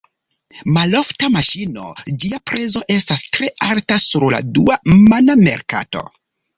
Malofta maŝino, ĝia prezo estas tre alta sur la dua-mana merkato.